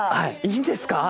いいんですか？